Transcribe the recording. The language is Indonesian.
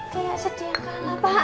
kayak sedih yang kalah pak